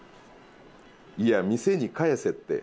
「いや店に返せって！！